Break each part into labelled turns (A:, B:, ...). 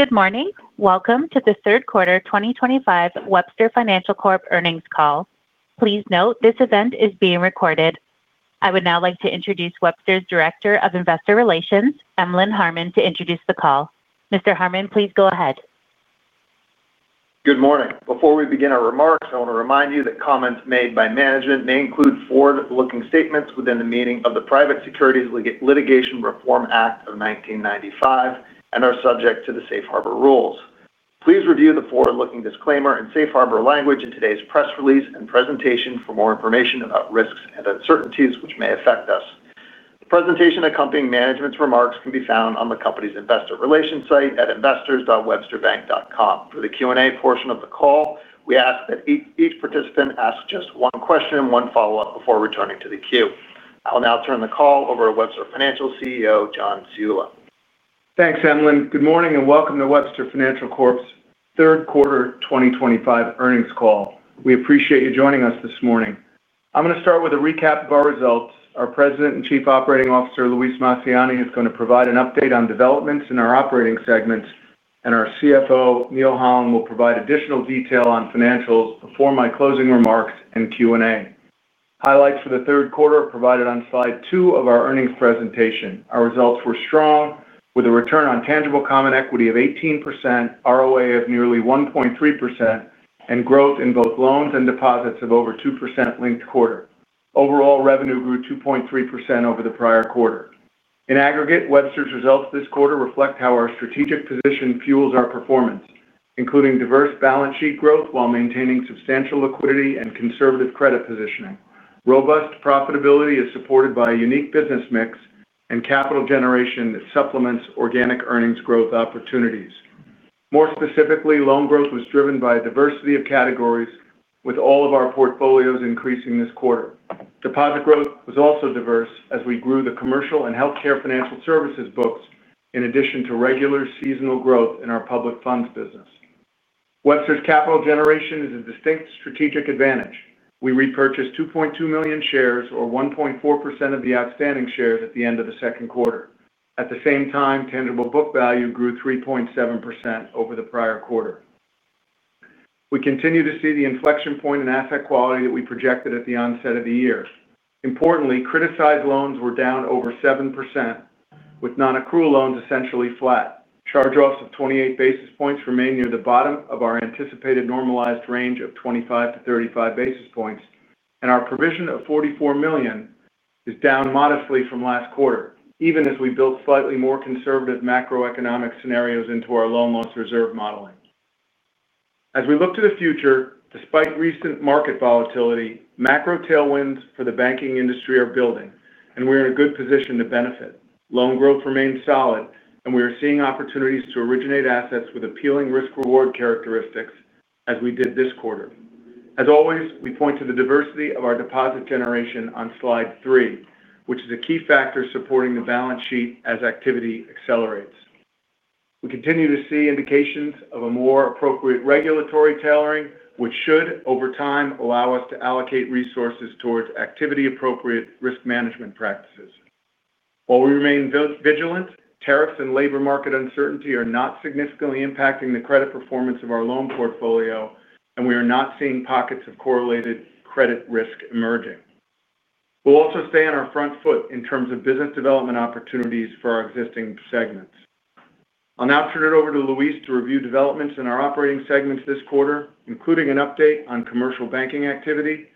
A: Good morning. Welcome to the third quarter 2025 Webster Financial Corporation earnings call. Please note this event is being recorded. I would now like to introduce Webster's Director of Investor Relations, Emlen Harmon, to introduce the call. Mr. Harmon, please go ahead.
B: Good morning. Before we begin our remarks, I want to remind you that comments made by management may include forward-looking statements within the meaning of the Private Securities Litigation Reform Act of 1995 and are subject to the Safe Harbor rules. Please review the forward-looking disclaimer and Safe Harbor language in today's press release and presentation for more information about risks and uncertainties which may affect us. The presentation accompanying management's remarks can be found on the company's investor relations site at investors.websterbank.com. For the Q&A portion of the call, we ask that each participant ask just one question and one follow-up before returning to the queue. I will now turn the call over to Webster Financial CEO John Ciulla.
C: Thanks, Emlen. Good morning and welcome to Webster Financial Corporation's third quarter 2025 earnings call. We appreciate you joining us this morning. I'm going to start with a recap of our results. Our President and Chief Operating Officer, Luis Massiani, is going to provide an update on developments in our operating segments, and our CFO, Neal Holland, will provide additional detail on financials before my closing remarks and Q&A. Highlights for the third quarter are provided on slide two of our earnings presentation. Our results were strong, with a return on tangible common equity of 18%, ROA of nearly 1.3%, and growth in both loans and deposits of over 2% linked quarter. Overall revenue grew 2.3% over the prior quarter. In aggregate, Webster's results this quarter reflect how our strategic position fuels our performance, including diverse balance sheet growth while maintaining substantial liquidity and conservative credit positioning. Robust profitability is supported by a unique business mix and capital generation that supplements organic earnings growth opportunities. More specifically, loan growth was driven by a diversity of categories, with all of our portfolios increasing this quarter. Deposit growth was also diverse as we grew the Commercial and Healthcare Financial Services books, in addition to regular seasonal growth in our public funds business. Webster's capital generation is a distinct strategic advantage. We repurchased 2.2 million shares, or 1.4% of the outstanding shares, at the end of the second quarter. At the same time, tangible book value grew 3.7% over the prior quarter. We continue to see the inflection point in asset quality that we projected at the onset of the year. Importantly, criticized loans were down over 7%, with non-accrual loans essentially flat. Charge-offs of 28 basis points remain near the bottom of our anticipated normalized range of 25-35 basis points, and our provision of $44 million is down modestly from last quarter, even as we built slightly more conservative macroeconomic scenarios into our loan loss reserve modeling. As we look to the future, despite recent market volatility, macro tailwinds for the banking industry are building, and we are in a good position to benefit. Loan growth remains solid, and we are seeing opportunities to originate assets with appealing risk-reward characteristics as we did this quarter. As always, we point to the diversity of our deposit generation on slide three, which is a key factor supporting the balance sheet as activity accelerates. We continue to see indications of a more appropriate regulatory taiLaurieng, which should, over time, allow us to allocate resources towards activity-appropriate risk management practices. While we remain vigilant, tariffs and labor market uncertainty are not significantly impacting the credit performance of our loan portfolio, and we are not seeing pockets of correlated credit risk emerging. We'll also stay on our front foot in terms of business development opportunities for our existing segments. I'll now turn it over to Luis to review developments in our operating segments this quarter, including an update on Commercial Banking activity,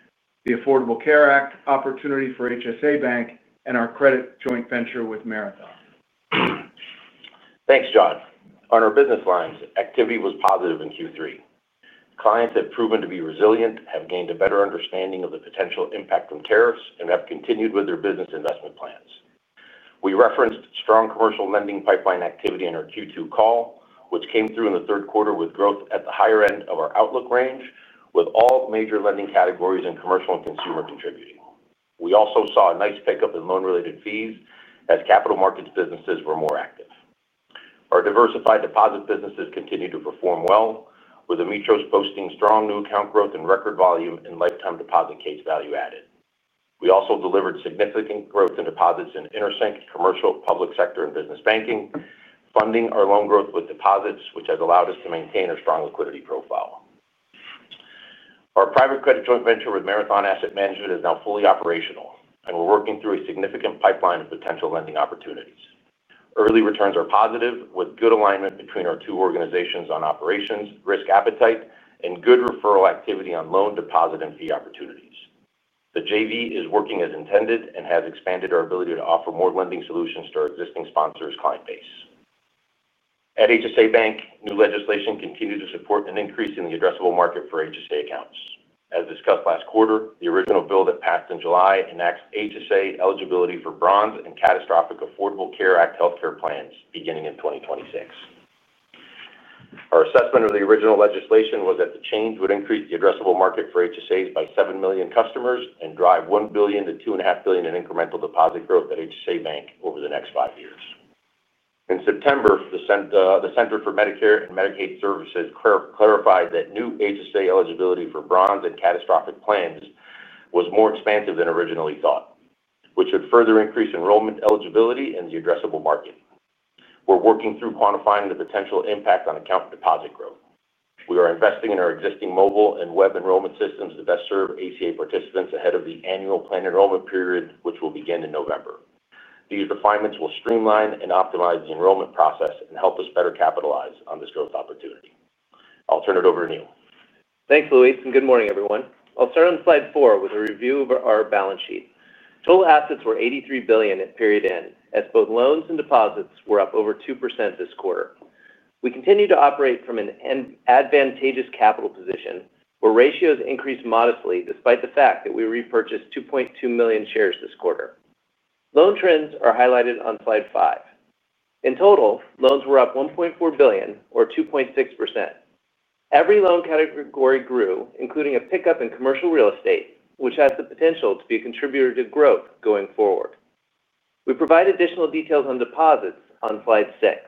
C: the Affordable Care Act opportunity for HSA Bank, and our credit joint venture with Marathon Asset Management.
D: Thanks, John. On our business lines, activity was positive in Q3. Clients have proven to be resilient, have gained a better understanding of the potential impact from tariffs, and have continued with their business investment plans. We referenced strong commercial lending pipeline activity in our Q2 call, which came through in the third quarter with growth at the higher end of our outlook range, with all major lending categories in Commercial and Consumer contributing. We also saw a nice pickup in loan-related fees as capital markets businesses were more active. Our diversified deposit businesses continue to perform well, with Amitros boasting strong new account growth and record volume in lifetime deposit case value added. We also delivered significant growth in deposits in InterSync, Commercial, Public Sector, and Business Banking, funding our loan growth with deposits, which has allowed us to maintain our strong liquidity profile. Our private credit joint venture with Marathon Asset Management is now fully operational, and we're working through a significant pipeline of potential lending opportunities. Early returns are positive, with good alignment between our two organizations on operations, risk appetite, and good referral activity on loan, deposit, and fee opportunities. The JV is working as intended and has expanded our ability to offer more lending solutions to our existing sponsors' client base. At HSA Bank, new legislation continues to support an increase in the addressable market for HSA accounts. As discussed last quarter, the original bill that passed in July enacts HSA eligibility for bronze and catastrophic Affordable Care Act healthcare plans beginning in 2026. Our assessment of the original legislation was that the change would increase the addressable market for HSAs by 7 million customers and drive $1 billion-$2.5 billion in incremental deposit growth at HSA Bank over the next five years. In September, the Center for Medicare and Medicaid Services clarified that new HSA eligibility for bronze and catastrophic plans was more expansive than originally thought, which would further increase enrollment eligibility in the addressable market. We're working through quantifying the potential impact on account deposit growth. We are investing in our existing mobile and web enrollment systems to best serve ACA participants ahead of the annual planned enrollment period, which will begin in November. These refinements will streamline and optimize the enrollment process and help us better capitalize on this growth opportunity. I'll turn it over to Neal.
E: Thanks, Luis, and good morning, everyone. I'll start on slide four with a review of our balance sheet. Total assets were $83 billion at period end, as both loans and deposits were up over 2% this quarter. We continue to operate from an advantageous capital position, where ratios increased modestly despite the fact that we repurchased 2.2 million shares this quarter. Loan trends are highlighted on slide five. In total, loans were up $1.4 billion, or 2.6%. Every loan category grew, including a pickup in commercial real estate, which has the potential to be a contributor to growth going forward. We provide additional details on deposits on slide six.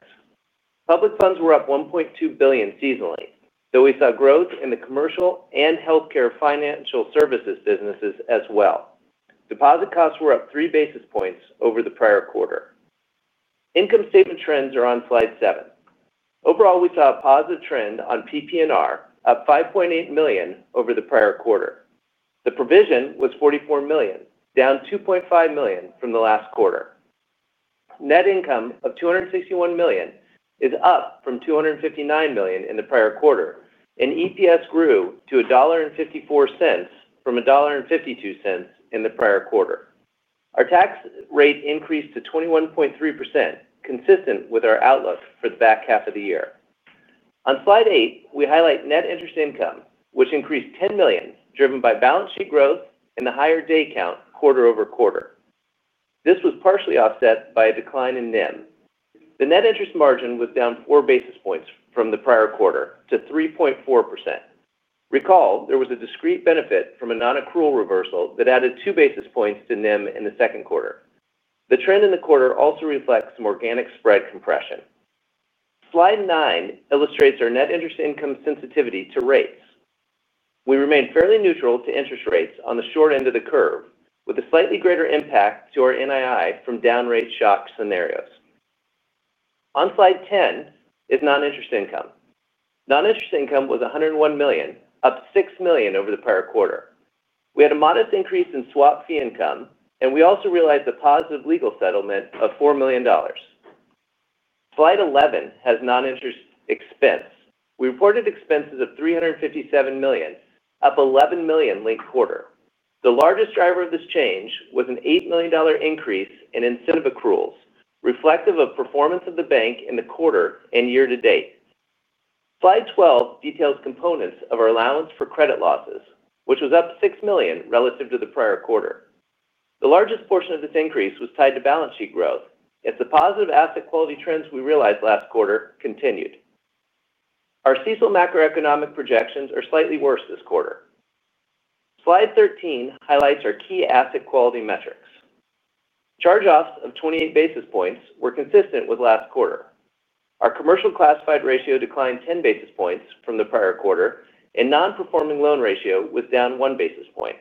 E: Public funds were up $1.2 billion seasonally, though we saw growth in the commercial and Healthcare Financial Services businesses as well. Deposit costs were up three basis points over the prior quarter. Income statement trends are on slide seven. Overall, we saw a positive trend on PP&R, up $5.8 million over the prior quarter. The provision was $44 million, down $2.5 million from the last quarter. Net income of $261 million is up from $259 million in the prior quarter, and EPS grew to $1.54 from $1.52 in the prior quarter. Our tax rate increased to 21.3%, consistent with our outlook for the back half of the year. On slide eight, we highlight net interest income, which increased $10 million, driven by balance sheet growth and the higher day count quarter-over-quarter. This was partially offset by a decline in NIM. The net interest margin was down four basis points from the prior quarter to 3.4%. Recall, there was a discrete benefit from a non-accrual reversal that added two basis points to NIM in the second quarter. The trend in the quarter also reflects some organic spread compression. Slide nine illustrates our net interest income sensitivity to rates. We remained fairly neutral to interest rates on the short end of the curve, with a slightly greater impact to our NII from down rate shock scenarios. On slide 10 is non-interest income. Non-interest income was $101 million, up $6 million over the prior quarter. We had a modest increase in swap fee income, and we also realized a positive legal settlement of $4 million. Slide 11 has non-interest expense. We reported expenses of $357 million, up $11 million linked quarter. The largest driver of this change was an $8 million increase in incentive accruals, reflective of performance of the bank in the quarter and year to date. Slide 12 details components of our allowance for credit losses, which was up $6 million relative to the prior quarter. The largest portion of this increase was tied to balance sheet growth, as the positive asset quality trends we realized last quarter continued. Our CECL macroeconomic projections are slightly worse this quarter. Slide 13 highlights our key asset quality metrics. Charge-offs of 28 basis points were consistent with last quarter. Our commercial classified ratio declined 10 basis points from the prior quarter, and non-performing loan ratio was down 1 basis point.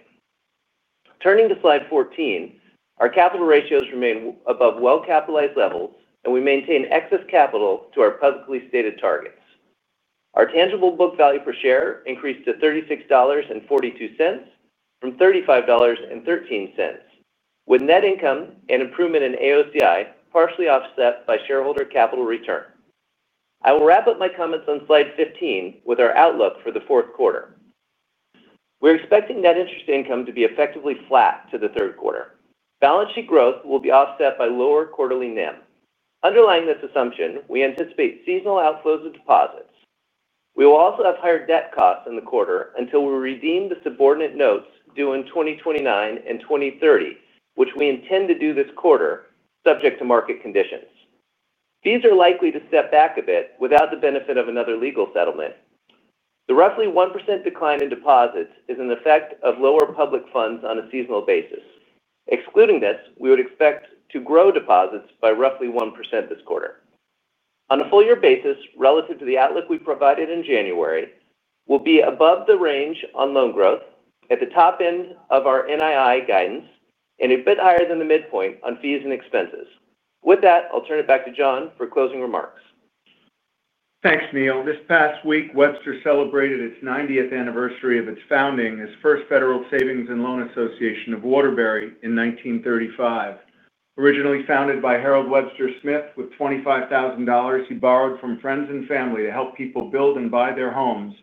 E: Turning to slide 14, our capital ratios remain above well-capitalized levels, and we maintain excess capital to our publicly stated targets. Our tangible book value per share increased to $36.42 from $35.13, with net income and improvement in AOCI partially offset by shareholder capital return. I will wrap up my comments on slide 15 with our outlook for the fourth quarter. We're expecting net interest income to be effectively flat to the third quarter. Balance sheet growth will be offset by lower quarterly NIM. Underlying this assumption, we anticipate seasonal outflows of deposits. We will also have higher debt costs in the quarter until we redeem the subordinated notes due in 2029 and 2030, which we intend to do this quarter, subject to market conditions. Fees are likely to step back a bit without the benefit of another legal settlement. The roughly 1% decline in deposits is an effect of lower public funds on a seasonal basis. Excluding this, we would expect to grow deposits by roughly 1% this quarter. On a full-year basis, relative to the outlook we provided in January, we'll be above the range on loan growth, at the top end of our NII guidance, and a bit higher than the midpoint on fees and expenses. With that, I'll turn it back to John for closing remarks.
C: Thanks, Neal. This past week, Webster celebrated its 90th anniversary of its founding as First Federal Savings and Loan Association of Waterbury in 1935. Originally founded by Harold Webster Smith with $25,000 he borrowed from friends and family to help people build and buy their homes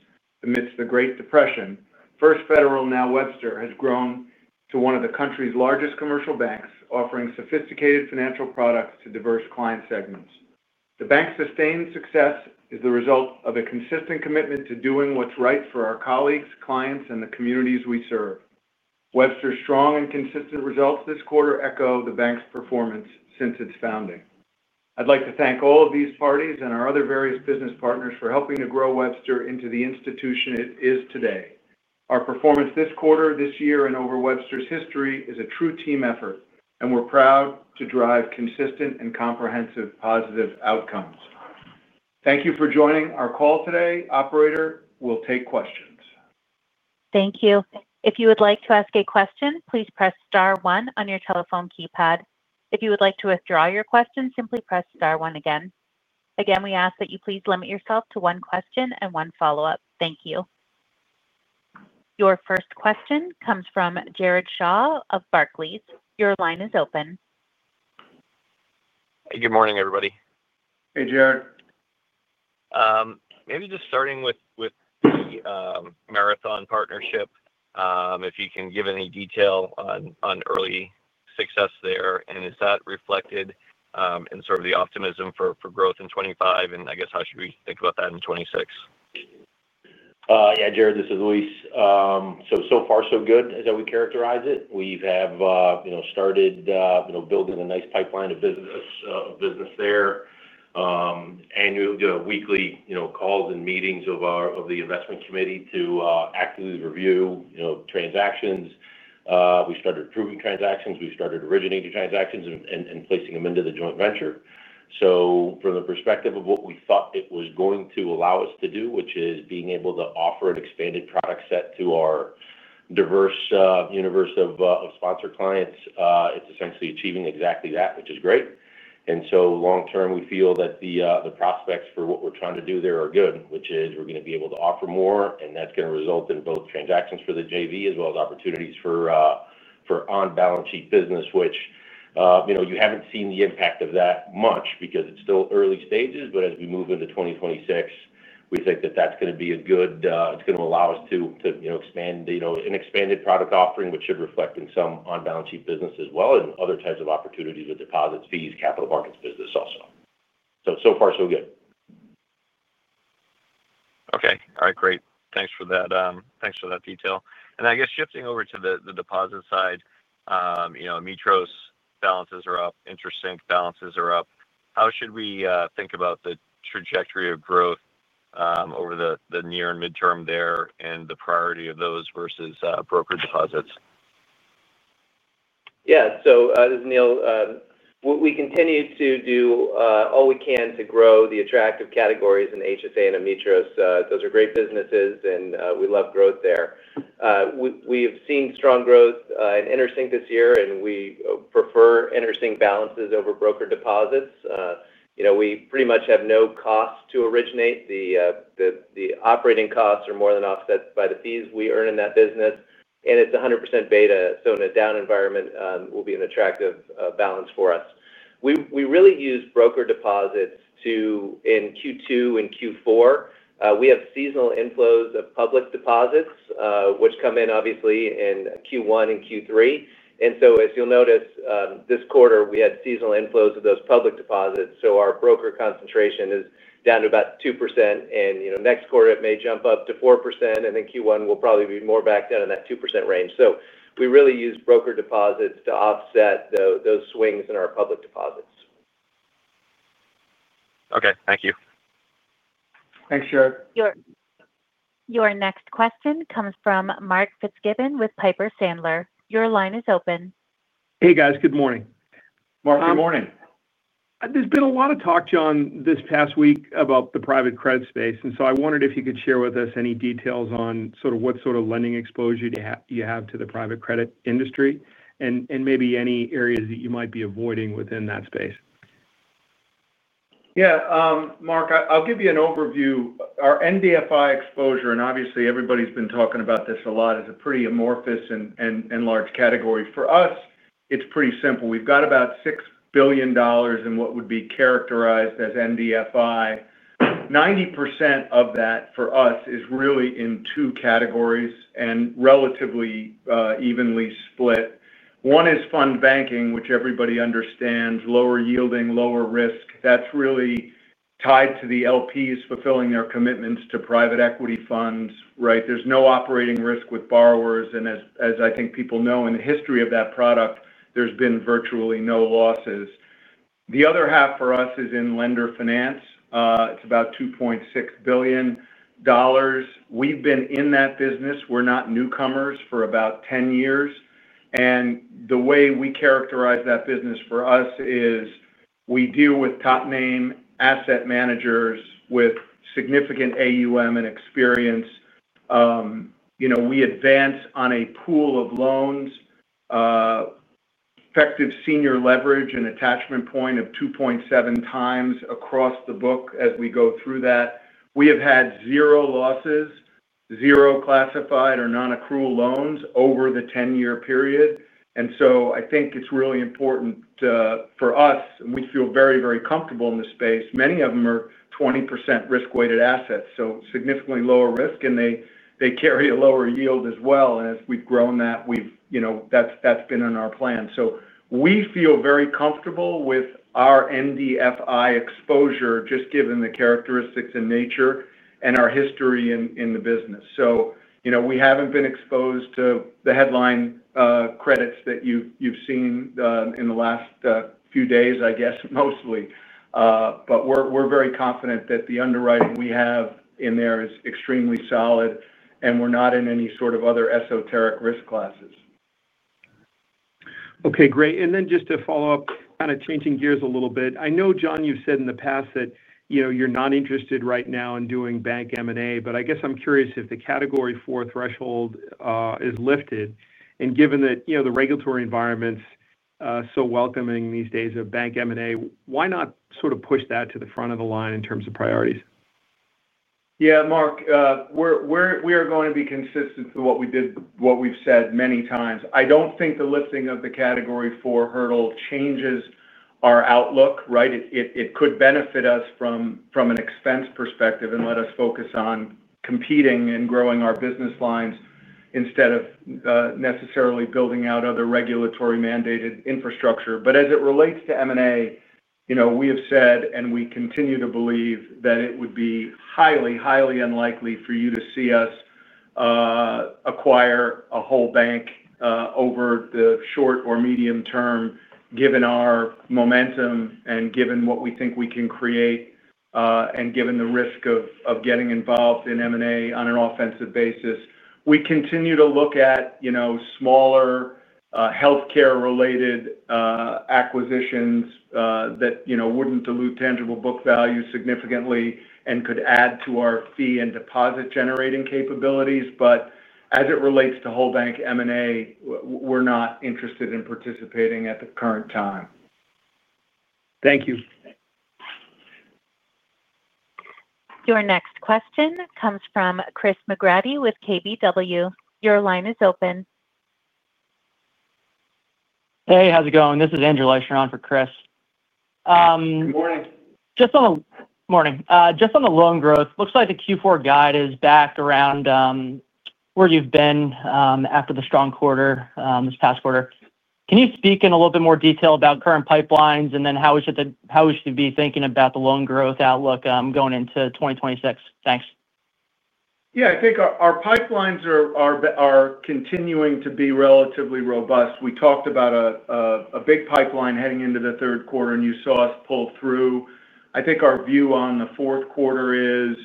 C: amidst the Great Depression, First Federal, now Webster, has grown to one of the country's largest commercial banks, offering sophisticated financial products to diverse client segments. The bank's sustained success is the result of a consistent commitment to doing what's right for our colleagues, clients, and the communities we serve. Webster's strong and consistent results this quarter echo the bank's performance since its founding. I'd like to thank all of these parties and our other various business partners for helping to grow Webster into the institution it is today. Our performance this quarter, this year, and over Webster's history is a true team effort, and we're proud to drive consistent and comprehensive positive outcomes. Thank you for joining our call today. Operator, we'll take questions.
A: Thank you. If you would like to ask a question, please press star one on your telephone keypad. If you would like to withdraw your question, simply press star one again. Again, we ask that you please limit yourself to one question and one follow-up. Thank you. Your first question comes from Jared Shaw of Barclays. Your line is open.
F: Hey, good morning, everybody.
C: Hey, Jared.
F: Maybe just starting with the Marathon Asset Management partnership, if you can give any detail on early success there, and is that reflected in sort of the optimism for growth in 2025, and I guess how should we think about that in 2026?
D: Yeah, Jared, this is Luis. So far, so good, as how we characterize it. We have started building a nice pipeline of business there. Annually, we do weekly calls and meetings of the investment committee to actively review transactions. We've started approving transactions. We've started originating transactions and placing them into the joint venture. From the perspective of what we thought it was going to allow us to do, which is being able to offer an expanded product set to our diverse universe of sponsor clients, it's essentially achieving exactly that, which is great. Long term, we feel that the prospects for what we're trying to do there are good, which is we're going to be able to offer more, and that's going to result in both transactions for the JV as well as opportunities for on-balance sheet business, which you haven't seen the impact of that much because it's still early stages. As we move into 2026, we think that that's going to be a good, it's going to allow us to expand an expanded product offering, which should reflect in some on-balance sheet business as well and other types of opportunities with deposits, fees, capital markets business also. So far, so good.
F: Okay. All right, great. Thanks for that detail. I guess shifting over to the deposit side, Amitros balances are up. InterSync balances are up. How should we think about the trajectory of growth over the near and midterm there and the priority of those versus broker deposits?
E: Yeah. This is Neal. We continue to do all we can to grow the attractive categories in HSA and Amitros. Those are great businesses, and we love growth there. We have seen strong growth in InterSync this year, and we prefer InterSync balances over broker deposits. You know, we pretty much have no cost to originate. The operating costs are more than offset by the fees we earn in that business, and it's 100% beta. In a down environment, it will be an attractive balance for us. We really use broker deposits in Q2 and Q4. We have seasonal inflows of public deposits, which come in, obviously, in Q1 and Q3. As you'll notice, this quarter, we had seasonal inflows of those public deposits. Our broker concentration is down to about 2%, and next quarter, it may jump up to 4%, and then Q1 will probably be more back down in that 2% range. We really use broker deposits to offset those swings in our public deposits.
F: Okay, thank you.
E: Thanks, Jared.
A: Your next question comes from Mark Fitzgibbon with Piper Sandler. Your line is open.
G: Hey, guys. Good morning.
C: Mark, good morning.
G: There's been a lot of talk, John, this past week about the private credit space, and I wondered if you could share with us any details on sort of what sort of lending exposure you have to the private credit industry and maybe any areas that you might be avoiding within that space.
C: Yeah. Mark, I'll give you an overview. Our NBFI exposure, and obviously, everybody's been talking about this a lot, is a pretty amorphous and large category. For us, it's pretty simple. We've got about $6 billion in what would be characterized as NBFI. 90% of that for us is really in two categories and relatively evenly split. One is fund banking, which everybody understands: lower yielding, lower risk. That's really tied to the LPs fulfilling their commitments to private equity funds, right? There's no operating risk with borrowers, and as I think people know, in the history of that product, there's been virtually no losses. The other half for us is in lender finance. It's about $2.6 billion. We've been in that business. We're not newcomers for about 10 years. The way we characterize that business for us is we deal with top-name asset managers with significant AUM and experience. You know, we advance on a pool of loans, effective senior leverage, and attachment point of 2.7 times across the book as we go through that. We have had zero losses, zero classified or non-accrual loans over the 10-year period. I think it's really important for us, and we feel very, very comfortable in this space. Many of them are 20% risk-weighted assets, so significantly lower risk, and they carry a lower yield as well. As we've grown that, that's been in our plan. We feel very comfortable with our NBFI exposure, just given the characteristics in nature and our history in the business. We haven't been exposed to the headline credits that you've seen in the last few days, I guess, mostly. We're very confident that the underwriting we have in there is extremely solid, and we're not in any sort of other esoteric risk classes.
G: Okay, great. Just to follow up, kind of changing gears a little bit, I know, John, you've said in the past that you're not interested right now in doing bank M&A, but I guess I'm curious if the category four threshold is lifted. Given that the regulatory environment's so welcoming these days of bank M&A, why not sort of push that to the front of the line in terms of priorities?
C: Yeah, Mark, we are going to be consistent with what we've said many times. I don't think the lifting of the category four hurdle changes our outlook, right? It could benefit us from an expense perspective and let us focus on competing and growing our business lines instead of necessarily building out other regulatory-mandated infrastructure. As it relates to M&A, you know, we have said, and we continue to believe that it would be highly, highly unlikely for you to see us acquire a whole bank over the short or medium term, given our momentum and given what we think we can create, and given the risk of getting involved in M&A on an offensive basis. We continue to look at, you know, smaller healthcare-related acquisitions that wouldn't dilute tangible book value significantly and could add to our fee and deposit-generating capabilities. As it relates to whole bank M&A, we're not interested in participating at the current time.
G: Thank you.
A: Your next question comes from Chris McGrathy with KBW. Your line is open.
H: Hey, how's it going? This is Andrew Leisschner on for Chris.
C: Good morning.
H: On the loan growth, it looks like the Q4 guide is back around where you've been after the strong quarter this past quarter. Can you speak in a little bit more detail about current pipelines and then how we should be thinking about the loan growth outlook going into 2026? Thanks.
C: Yeah, I think our pipelines are continuing to be relatively robust. We talked about a big pipeline heading into the third quarter, and you saw us pull through. I think our view on the fourth quarter is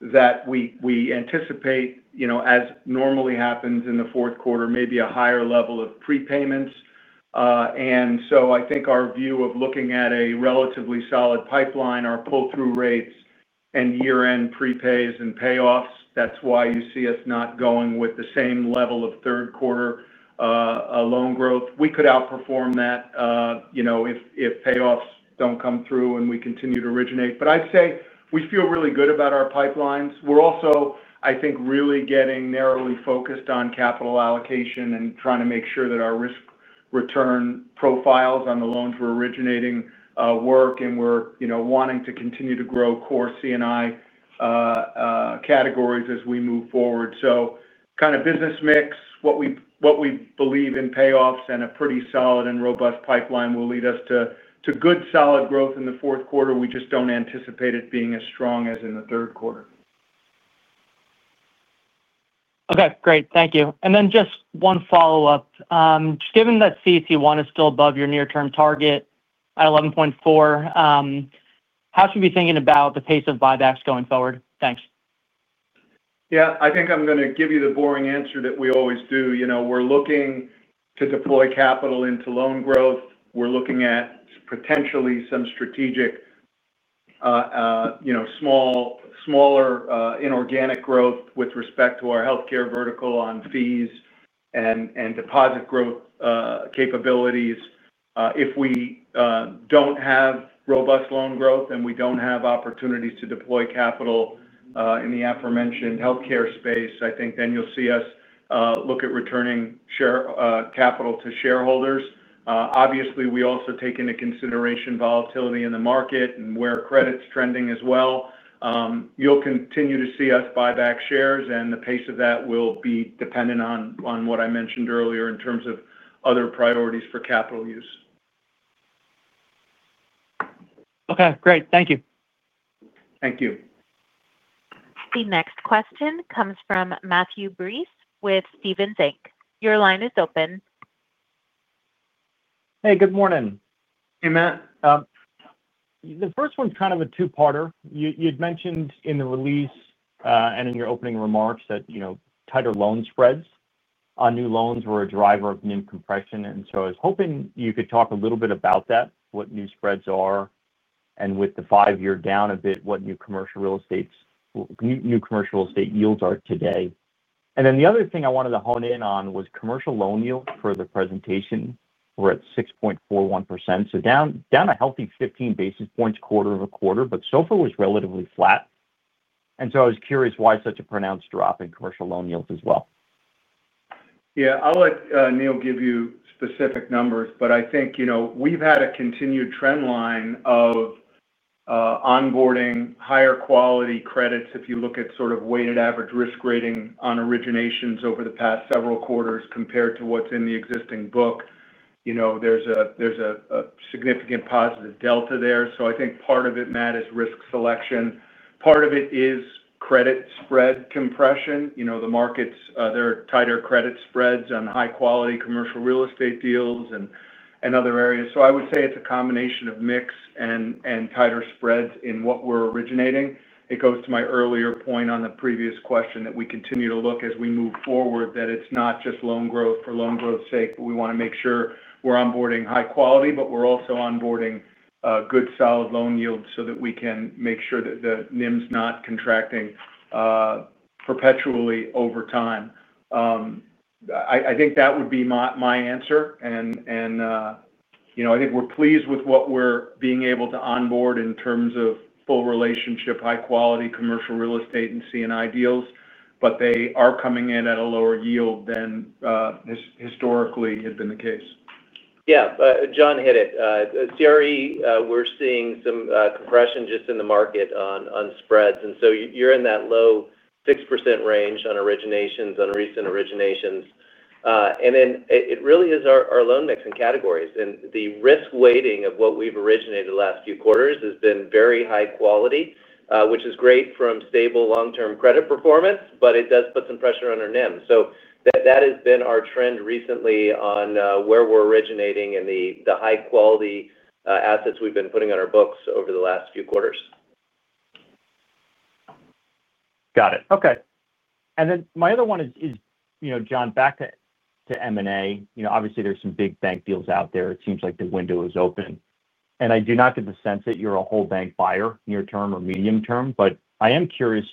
C: that we anticipate, as normally happens in the fourth quarter, maybe a higher level of prepayments. I think our view of looking at a relatively solid pipeline, our pull-through rates, and year-end prepays and payoffs, that's why you see us not going with the same level of third-quarter loan growth. We could outperform that if payoffs don't come through and we continue to originate. I'd say we feel really good about our pipelines. We're also really getting narrowly focused on capital allocation and trying to make sure that our risk return profiles on the loans we're originating work, and we're wanting to continue to grow core CNI categories as we move forward. Kind of business mix, what we believe in payoffs, and a pretty solid and robust pipeline will lead us to good solid growth in the fourth quarter. We just don't anticipate it being as strong as in the third quarter.
H: Okay, great. Thank you. Just one follow-up. Just given that CET1 is still above your near-term target at 11.4%, how should we be thinking about the pace of buybacks going forward? Thanks.
C: I think I'm going to give you the boring answer that we always do. We're looking to deploy capital into loan growth. We're looking at potentially some strategic, smaller, inorganic growth with respect to our healthcare vertical on fees and deposit growth capabilities. If we don't have robust loan growth and we don't have opportunities to deploy capital in the aforementioned healthcare space, I think then you'll see us look at returning capital to shareholders. Obviously, we also take into consideration volatility in the market and where credit's trending as well. You'll continue to see us buy back shares, and the pace of that will be dependent on what I mentioned earlier in terms of other priorities for capital use.
H: Okay, great. Thank you.
C: Thank you.
A: The next question comes from Matthew Brees with Stephens, Inc. Your line is open.
I: Hey, good morning.
C: Hey, Matt.
I: The first one's kind of a two-parter. You had mentioned in the release and in your opening remarks that tighter loan spreads on new loans were a driver of NIM compression. I was hoping you could talk a little bit about that, what new spreads are, and with the five-year down a bit, what new commercial real estate yields are today. The other thing I wanted to hone in on was commercial loan yields for the presentation. We're at 6.41%. Down a healthy 15 basis points quarter-over-quarter, but so far was relatively flat. I was curious why such a pronounced drop in commercial loan yields as well.
C: Yeah, I'll let Neal give you specific numbers, but I think we've had a continued trend line of onboarding higher quality credits. If you look at sort of weighted average risk rating on originations over the past several quarters compared to what's in the existing book, there's a significant positive delta there. I think part of it, Matt, is risk selection. Part of it is credit spread compression. The markets, there are tighter credit spreads on high-quality commercial real estate deals and other areas. I would say it's a combination of mix and tighter spreads in what we're originating. It goes to my earlier point on the previous question that we continue to look as we move forward, that it's not just loan growth for loan growth's sake, but we want to make sure we're onboarding high quality, but we're also onboarding good solid loan yields so that we can make sure that the NIM's not contracting perpetually over time. I think that would be my answer. I think we're pleased with what we're being able to onboard in terms of full relationship, high-quality commercial real estate and CNI deals, but they are coming in at a lower yield than historically had been the case.
E: Yeah, John hit it. CRE, we're seeing some compression just in the market on spreads. You're in that low 6% range on originations, on recent originations. It really is our loan mixing categories, and the risk weighting of what we've originated the last few quarters has been very high quality, which is great from stable long-term credit performance, but it does put some pressure on our NIM. That has been our trend recently on where we're originating and the high-quality assets we've been putting on our books over the last few quarters.
I: Got it. Okay. My other one is, you know, John, back to M&A. Obviously, there's some big bank deals out there. It seems like the window is open. I do not get the sense that you're a whole bank buyer near-term or medium-term, but I am curious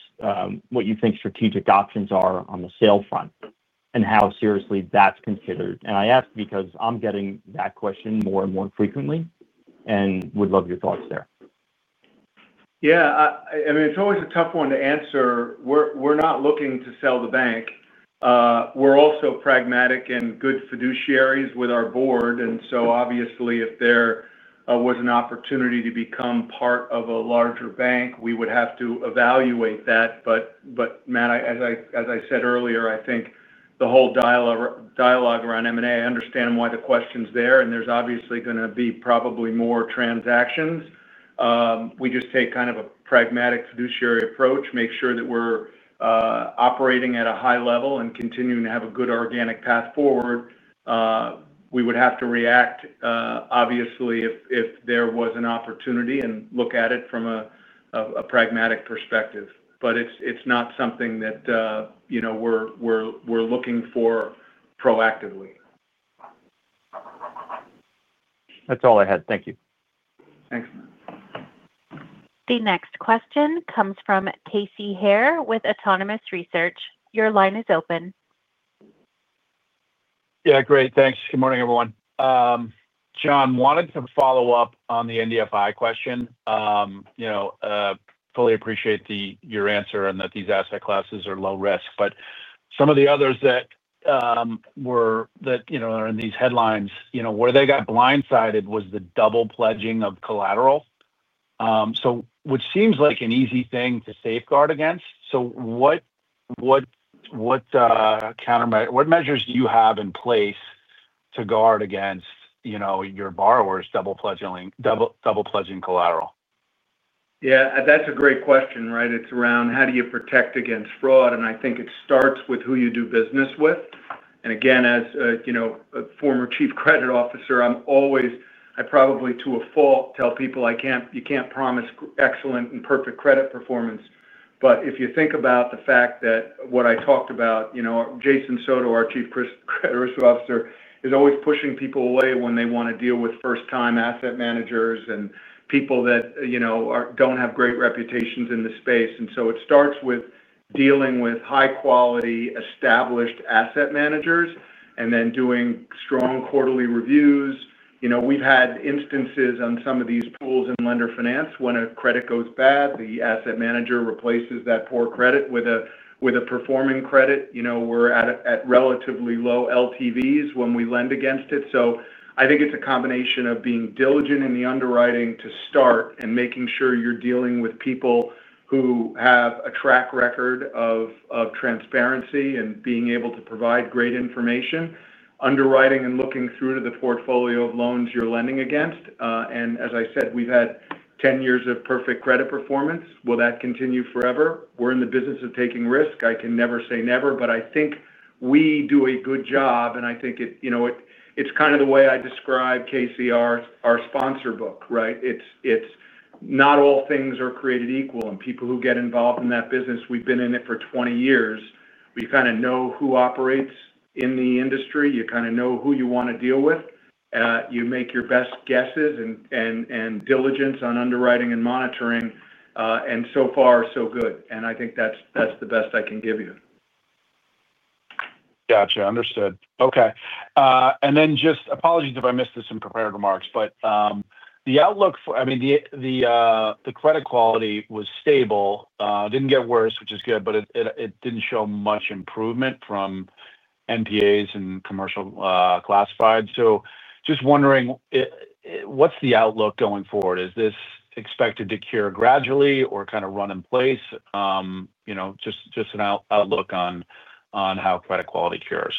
I: what you think strategic options are on the sale front and how seriously that's considered. I ask because I'm getting that question more and more frequently and would love your thoughts there.
C: Yeah, I mean, it's always a tough one to answer. We're not looking to sell the bank. We're also pragmatic and good fiduciaries with our board. Obviously, if there was an opportunity to become part of a larger bank, we would have to evaluate that. Matt, as I said earlier, I think the whole dialogue around M&A, I understand why the question's there, and there's obviously going to be probably more transactions. We just take kind of a pragmatic fiduciary approach, make sure that we're operating at a high level and continuing to have a good organic path forward. We would have to react, obviously, if there was an opportunity and look at it from a pragmatic perspective. It's not something that, you know, we're looking for proactively.
I: That's all I had. Thank you.
C: Thanks.
A: The next question comes from Casey Haire with Autonomous Research. Your line is open.
J: Yeah, great. Thanks. Good morning, everyone. John, wanted to follow up on the NBFI question. I fully appreciate your answer and that these asset classes are low risk. Some of the others that were in these headlines, where they got blindsided, was the double pledging of collateral. It seems like an easy thing to safeguard against. What measures do you have in place to guard against your borrowers double pledging collateral?
C: Yeah, that's a great question, right? It's around how do you protect against fraud. I think it starts with who you do business with. Again, as a former Chief Credit Officer, I probably to a fault tell people you can't promise excellent and perfect credit performance. If you think about the fact that what I talked about, you know, Jason Soto, our Chief Risk Officer, is always pushing people away when they want to deal with first-time asset managers and people that don't have great reputations in the space. It starts with dealing with high-quality established asset managers and then doing strong quarterly reviews. We've had instances on some of these pools in lender finance when a credit goes bad, the asset manager replaces that poor credit with a performing credit. We're at relatively low LTVs when we lend against it. I think it's a combination of being diligent in the underwriting to start and making sure you're dealing with people who have a track record of transparency and being able to provide great information, underwriting and looking through to the portfolio of loans you're lending against. As I said, we've had 10 years of perfect credit performance. Will that continue forever? We're in the business of taking risk. I can never say never, but I think we do a good job. It's kind of the way I describe KCR, our sponsor book, right? Not all things are created equal. People who get involved in that business, we've been in it for 20 years. You kind of know who operates in the industry. You kind of know who you want to deal with. You make your best guesses and diligence on underwriting and monitoring. So far, so good. I think that's the best I can give you.
J: Gotcha. Understood. Okay. Apologies if I missed this in prepared remarks, but the outlook for, I mean, the credit quality was stable. It didn't get worse, which is good, but it didn't show much improvement from NPAs and commercial classified. Just wondering, what's the outlook going forward? Is this expected to cure gradually or kind of run in place? You know, just an outlook on how credit quality cures.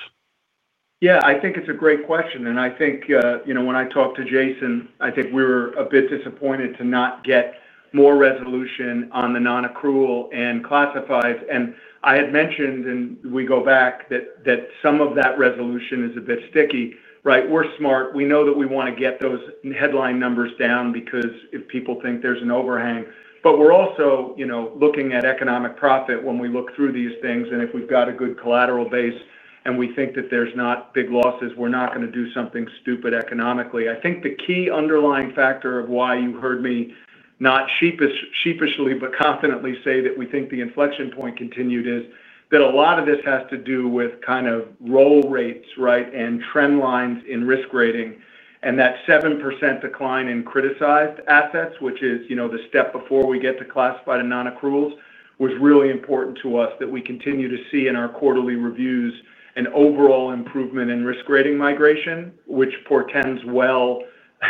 C: Yeah, I think it's a great question. I think, you know, when I talked to Jason, I think we were a bit disappointed to not get more resolution on the non-accrual and classifieds. I had mentioned, and we go back, that some of that resolution is a bit sticky, right? We're smart. We know that we want to get those headline numbers down because if people think there's an overhang. We're also, you know, looking at economic profit when we look through these things. If we've got a good collateral base and we think that there's not big losses, we're not going to do something stupid economically. I think the key underlying factor of why you heard me not sheepishly but confidently say that we think the inflection point continued is that a lot of this has to do with kind of roll rates, right, and trend lines in risk rating. That 7% decline in criticized assets, which is, you know, the step before we get to classified and non-accruals, was really important to us that we continue to see in our quarterly reviews an overall improvement in risk rating migration, which portends well,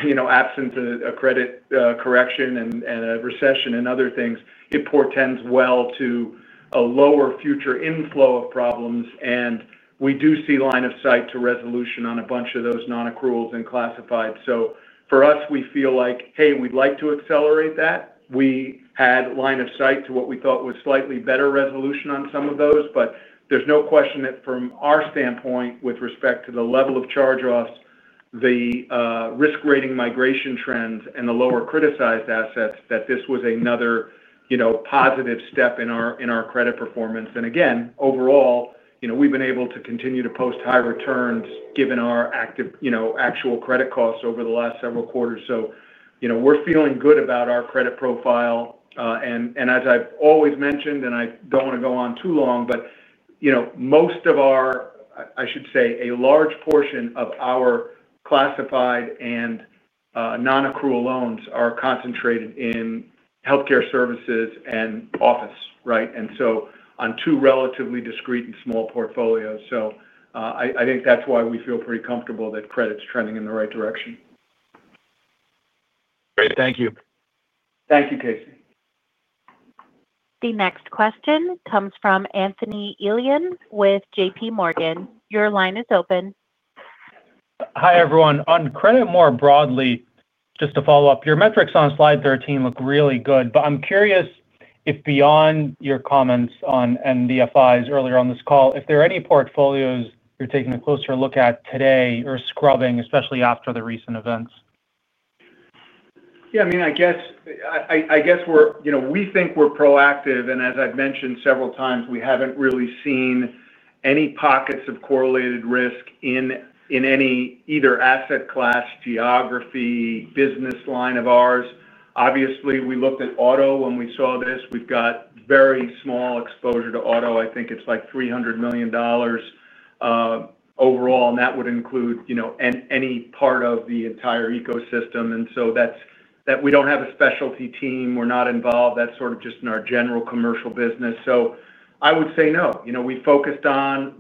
C: you know, absent a credit correction and a recession and other things, it portends well to a lower future inflow of problems. We do see line of sight to resolution on a bunch of those non-accruals and classifieds. For us, we feel like, hey, we'd like to accelerate that. We had line of sight to what we thought was slightly better resolution on some of those. There's no question that from our standpoint, with respect to the level of charge-offs, the risk rating migration trends, and the lower criticized assets, that this was another, you know, positive step in our credit performance. Again, overall, you know, we've been able to continue to post high returns, given our active, you know, actual credit costs over the last several quarters. We're feeling good about our credit profile. As I've always mentioned, and I don't want to go on too long, but you know, most of our, I should say, a large portion of our classified and non-accrual loans are concentrated in healthcare services and office, right? On two relatively discrete and small portfolios. I think that's why we feel pretty comfortable that credit's trending in the right direction.
J: Great, thank you.
C: Thank you, Casey.
A: The next question comes from Anthony Elian with J.P. Morgan. Your line is open.
K: Hi, everyone. On credit more broadly, just to follow up, your metrics on slide 13 look really good. I'm curious if beyond your comments on NBFIs earlier on this call, if there are any portfolios you're taking a closer look at today or scrubbing, especially after the recent events.
C: Yeah, I mean, I guess we think we're proactive. As I've mentioned several times, we haven't really seen any pockets of correlated risk in any asset class, geography, or business line of ours. Obviously, we looked at auto when we saw this. We've got very small exposure to auto. I think it's like $300 million overall, and that would include any part of the entire ecosystem. That's that. We don't have a specialty team. We're not involved. That's sort of just in our general commercial business. I would say no. We focused on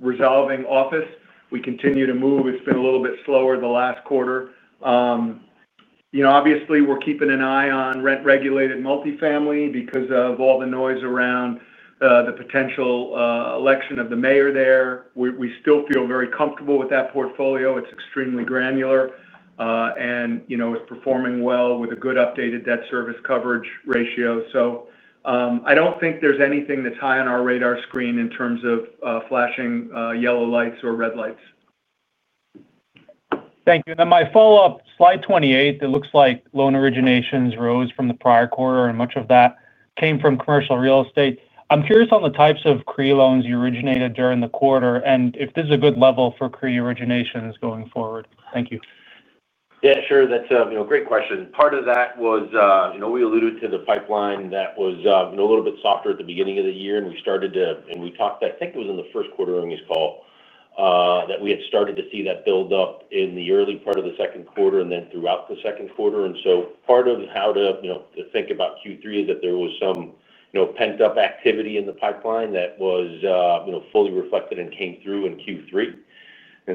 C: resolving office. We continue to move. It's been a little bit slower the last quarter. Obviously, we're keeping an eye on rent-regulated multifamily because of all the noise around the potential election of the mayor there. We still feel very comfortable with that portfolio. It's extremely granular, and it's performing well with a good updated debt service coverage ratio. I don't think there's anything that's high on our radar screen in terms of flashing yellow lights or red lights.
K: Thank you. My follow-up, slide 28, it looks like loan originations rose from the prior quarter, and much of that came from commercial real estate. I'm curious on the types of pre-loans you originated during the quarter and if this is a good level for pre-originations going forward. Thank you.
D: Yeah, sure. That's a great question. Part of that was, you know, we alluded to the pipeline that was a little bit softer at the beginning of the year, and we started to, and we talked, I think it was in the first quarter of this call, that we had started to see that build up in the early part of the second quarter and then throughout the second quarter. Part of how to, you know, to think about Q3 is that there was some, you know, pent-up activity in the pipeline that was, you know, fully reflected and came through in Q3.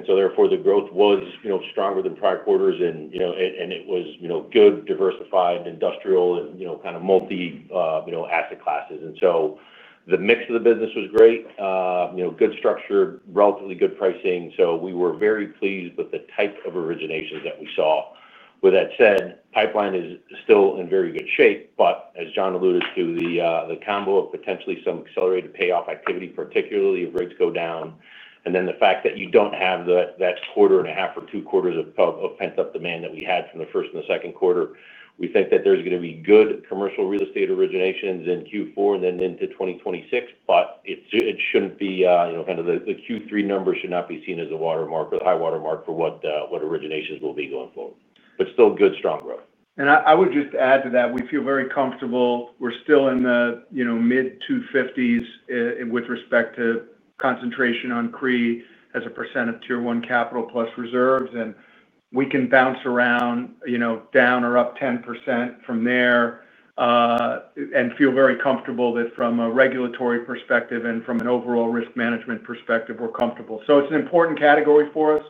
D: Therefore, the growth was, you know, stronger than prior quarters, and it was, you know, good, diversified, industrial, and, you know, kind of multi, you know, asset classes. The mix of the business was great. You know, good structure, relatively good pricing. We were very pleased with the type of originations that we saw. With that said, the pipeline is still in very good shape, but as John alluded to, the combo of potentially some accelerated payoff activity, particularly if rates go down, and then the fact that you don't have that quarter and a half or two quarters of pent-up demand that we had from the first and the second quarter, we think that there's going to be good commercial real estate originations in Q4 and then into 2026, but it shouldn't be, you know, kind of the Q3 numbers should not be seen as a watermark or the high watermark for what originations will be going forward. Still good, strong growth. I would just add to that, we feel very comfortable. We're still in the mid-250s with respect to concentration on CRI as a percent of tier-one capital plus reserves. We can bounce around, down or up 10% from there and feel very comfortable that from a regulatory perspective and from an overall risk management perspective, we're comfortable. It's an important category for us.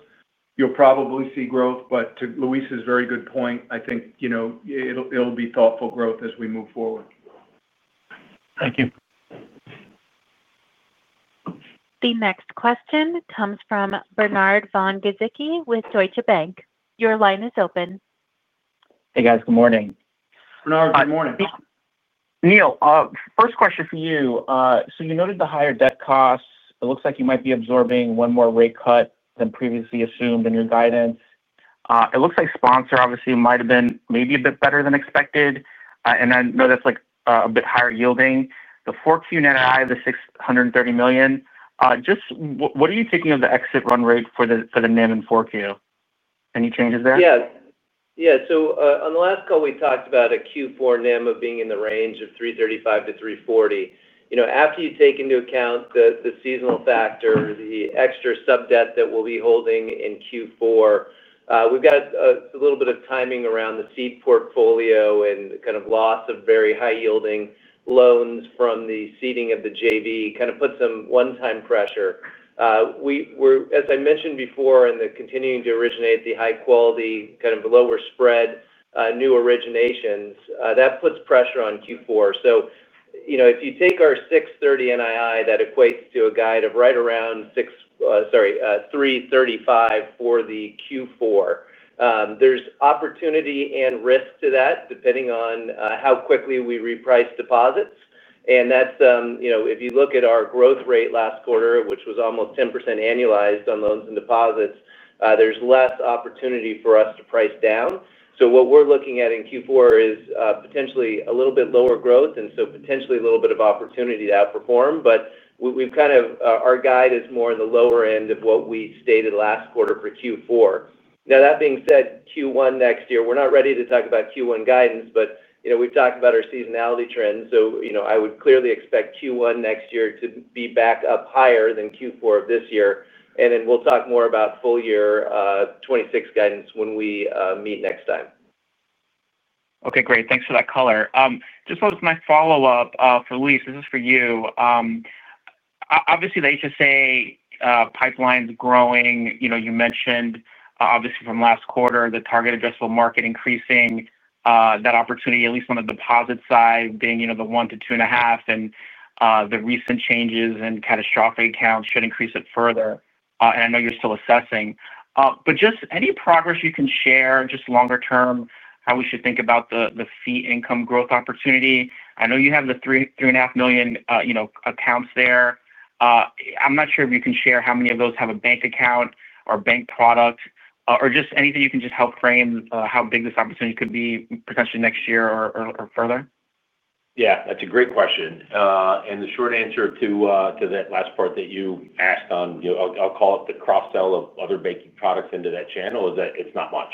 D: You'll probably see growth, but to Luis's very good point, I think it'll be thoughtful growth as we move forward.
K: Thank you.
A: The next question comes from Bernard von-Gezycki with Deutsche Bank. Your line is open.
L: Hey, guys. Good morning.
C: Bernard, good morning.
L: Neal, first question for you. You noted the higher debt costs. It looks like you might be absorbing one more rate cut than previously assumed in your guidance. It looks like sponsor obviously might have been maybe a bit better than expected. I know that's like a bit higher yielding. The 4Q NII, the $630 million. Just what are you thinking of the exit run rate for the NIM and 4Q? Any changes there?
E: Yeah. On the last call, we talked about a Q4 NIM of being in the range of 3.35%-3.40%. After you take into account the seasonal factor, the extra sub-debt that we'll be holding in Q4, we've got a little bit of timing around the seed portfolio and kind of loss of very high yielding loans from the seeding of the JV, which put some one-time pressure. As I mentioned before, in continuing to originate the high quality, kind of lower spread, new originations, that puts pressure on Q4. If you take our $630 million NII, that equates to a guide of right around 3.35% for Q4. There's opportunity and risk to that depending on how quickly we reprice deposits. If you look at our growth rate last quarter, which was almost 10% annualized on loans and deposits, there's less opportunity for us to price down. What we're looking at in Q4 is potentially a little bit lower growth and so potentially a little bit of opportunity to outperform. Our guide is more in the lower end of what we stated last quarter for Q4. That being said, Q1 next year, we're not ready to talk about Q1 guidance, but we've talked about our seasonality trends. I would clearly expect Q1 next year to be back up higher than Q4 of this year. We'll talk more about full year 2026 guidance when we meet next time.
L: Okay, great. Thanks for that color. Just one of my follow-ups for Luis, this is for you. Obviously, the HSA pipeline is growing. You mentioned, from last quarter, the target addressable market increasing that opportunity, at least on the deposit side, being the $1 million-$2.5 million. The recent changes and catastrophic accounts should increase it further. I know you're still assessing. Just any progress you can share, longer term, how we should think about the fee income growth opportunity. I know you have the 3.5 million accounts there. I'm not sure if you can share how many of those have a bank account or bank product or just anything you can help frame how big this opportunity could be potentially next year or further.
D: Yeah, that's a great question. The short answer to that last part that you asked on, you know, I'll call it the cross-sell of other banking products into that channel is that it's not much,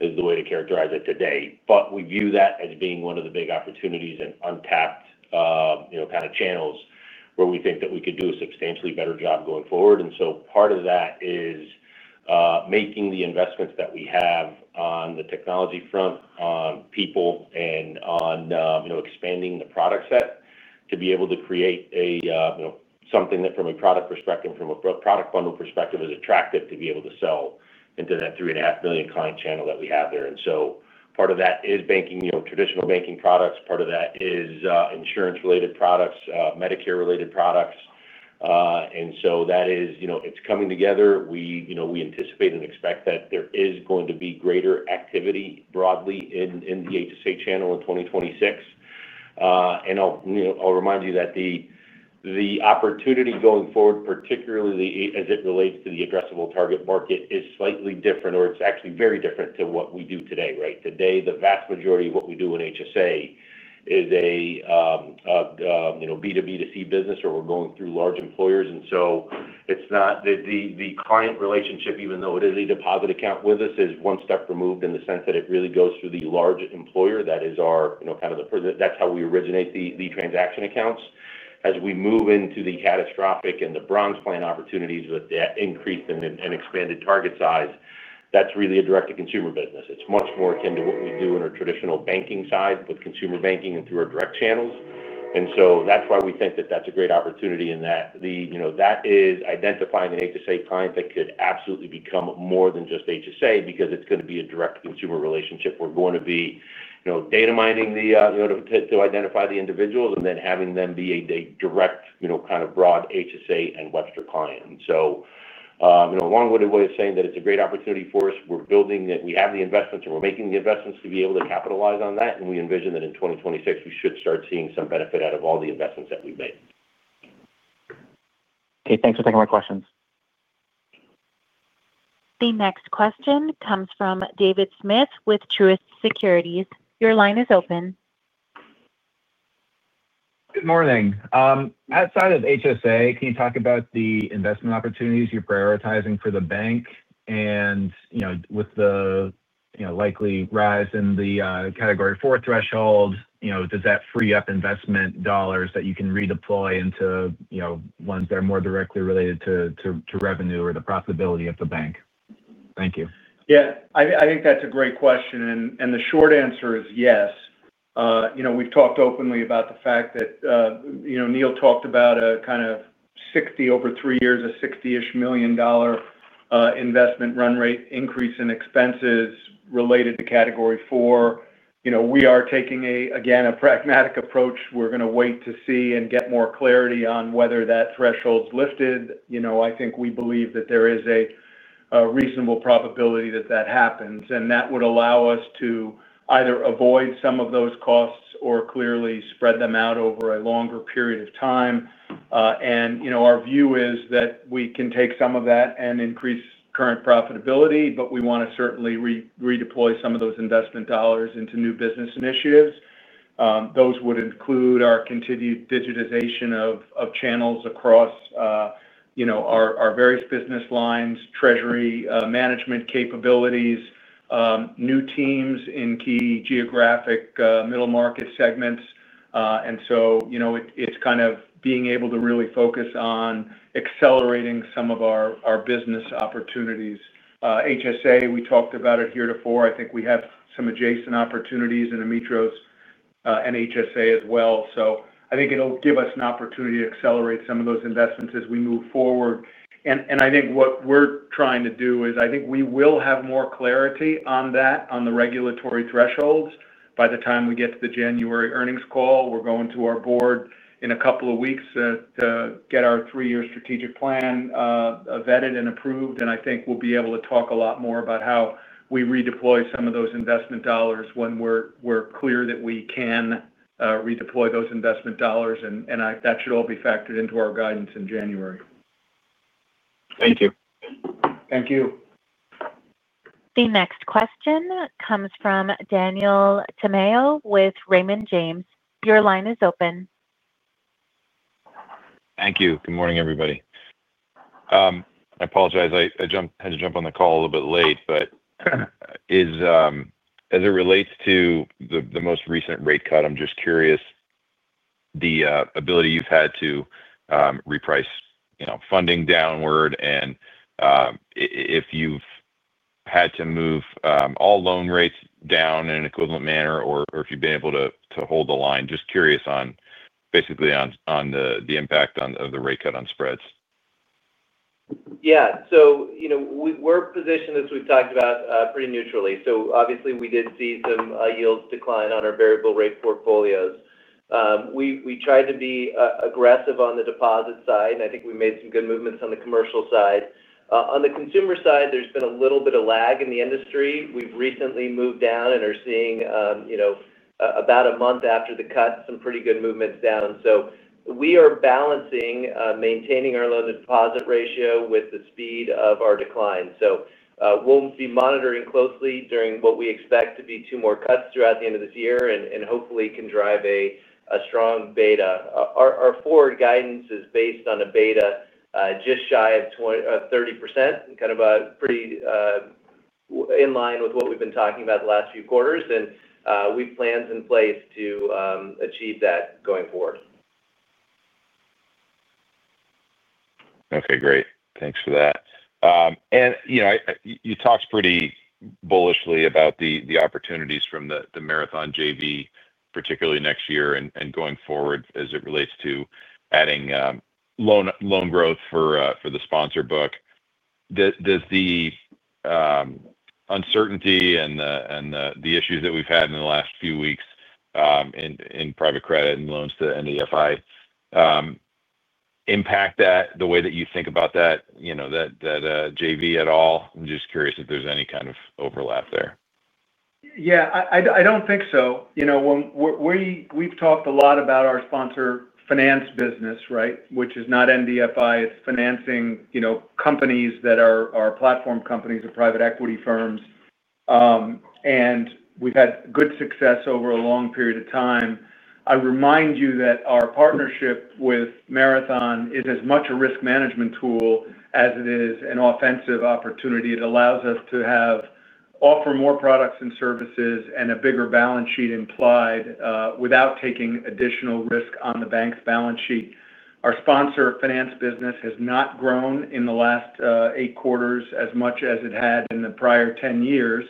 D: is the way to characterize it today. We view that as being one of the big opportunities and untapped, you know, kind of channels where we think that we could do a substantially better job going forward. Part of that is making the investments that we have on the technology front, on people, and on, you know, expanding the product set to be able to create a, you know, something that from a product perspective and from a product bundle perspective is attractive to be able to sell into that 3.5 million client channel that we have there. Part of that is banking, you know, traditional banking products. Part of that is insurance-related products, Medicare-related products. That is, you know, it's coming together. We, you know, we anticipate and expect that there is going to be greater activity broadly in the HSA channel in 2026. I'll, you know, I'll remind you that the opportunity going forward, particularly as it relates to the addressable target market, is slightly different or it's actually very different to what we do today, right? Today, the vast majority of what we do in HSA is a, you know, B2B2C business where we're going through large employers. It's not the client relationship, even though it is a deposit account with us, is one step removed in the sense that it really goes through the large employer that is our, you know, kind of the, that's how we originate the transaction accounts. As we move into the catastrophic and the bronze plan opportunities with the increase and expanded target size, that's really a direct-to-consumer business. It's much more akin to what we do in our traditional banking side with Consumer Banking and through our direct channels. That's why we think that that's a great opportunity in that the, you know, that is identifying an HSA client that could absolutely become more than just HSA because it's going to be a direct-to-consumer relationship. We're going to be, you know, data mining the, you know, to identify the individuals and then having them be a direct, you know, kind of broad HSA and Webster client. A long-winded way of saying that it's a great opportunity for us. We're building that we have the investments and we're making the investments to be able to capitalize on that. We envision that in 2026, we should start seeing some benefit out of all the investments that we've made.
L: Hey, thanks for taking my questions.
A: The next question comes from David Smith with Truist Securities. Your line is open.
M: Good morning. Outside of HSA, can you talk about the investment opportunities you're prioritizing for the bank? With the likely rise in the category four threshold, does that free up investment dollars that you can redeploy into ones that are more directly related to revenue or the profitability of the bank? Thank you.
C: Yeah, I think that's a great question. The short answer is yes. We've talked openly about the fact that, you know, Neal talked about a kind of $60 million over three years, a $60-ish million investment run rate increase in expenses related to category four. We are taking a, again, a pragmatic approach. We're going to wait to see and get more clarity on whether that threshold's lifted. I think we believe that there is a reasonable probability that that happens. That would allow us to either avoid some of those costs or clearly spread them out over a longer period of time. Our view is that we can take some of that and increase current profitability, but we want to certainly redeploy some of those investment dollars into new business initiatives. Those would include our continued digitization of channels across our various business lines, treasury management capabilities, new teams in key geographic middle market segments. It's kind of being able to really focus on accelerating some of our business opportunities. HSA, we talked about it here before. I think we have some adjacent opportunities in Amitros and HSA as well. I think it'll give us an opportunity to accelerate some of those investments as we move forward. What we're trying to do is I think we will have more clarity on that, on the regulatory thresholds. By the time we get to the January earnings call, we're going to our board in a couple of weeks to get our three-year strategic plan vetted and approved. I think we'll be able to talk a lot more about how we redeploy some of those investment dollars when we're clear that we can redeploy those investment dollars. That should all be factored into our guidance in January.
M: Thank you.
C: Thank you.
A: The next question comes from Daniel Tamayo with Raymond James. Your line is open.
N: Thank you. Good morning, everybody. I apologize. I had to jump on the call a little bit late, but as it relates to the most recent rate cut, I'm just curious the ability you've had to reprice funding downward and if you've had to move all loan rates down in an equivalent manner or if you've been able to hold the line. Just curious on basically the impact of the rate cut on spreads.
E: Yeah. We're positioned, as we've talked about, pretty neutrally. Obviously, we did see some yields decline on our variable rate portfolios. We tried to be aggressive on the deposit side, and I think we made some good movements on the commercial side. On the consumer side, there's been a little bit of lag in the industry. We've recently moved down and are seeing, about a month after the cut, some pretty good movements down. We are balancing maintaining our loan-to-deposit ratio with the speed of our decline. We'll be monitoring closely during what we expect to be two more cuts throughout the end of this year and hopefully can drive a strong beta. Our forward guidance is based on a beta just shy of 30% and pretty in line with what we've been talking about the last few quarters. We have plans in place to achieve that going forward.
N: Okay, great. Thanks for that. You talked pretty bullishly about the opportunities from the Marathon Asset Management JV, particularly next year and going forward as it relates to adding loan growth for the sponsor book. Does the uncertainty and the issues that we've had in the last few weeks in private credit and loans to NBFI impact the way that you think about that JV at all? I'm just curious if there's any kind of overlap there.
C: Yeah, I don't think so. We've talked a lot about our sponsor finance business, which is not NBFI. It's financing companies that are platform companies or private equity firms. We've had good success over a long period of time. I remind you that our partnership with Marathon Asset Management is as much a risk management tool as it is an offensive opportunity. It allows us to offer more products and services and a bigger balance sheet implied without taking additional risk on the bank's balance sheet. Our sponsor finance business has not grown in the last eight quarters as much as it had in the prior 10 years